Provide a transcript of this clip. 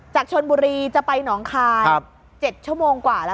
จากชนบุรีจะไปหนองคาย๗ชั่วโมงกว่าแล้ว